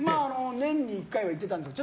年に１回は行ってたんですけど